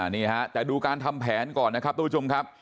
นี่ฮะแต่ดูการทำแผนก่อนนะครับทุกผู้ชมครับ